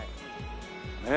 ねえ。